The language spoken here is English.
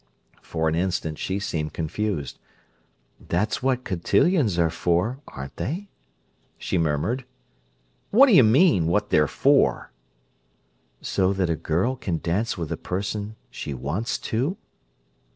For an instant she seemed confused. "That's what cotillions are for, aren't they?" she murmured. "What do you mean: what they're for?" "So that a girl can dance with a person she wants to?"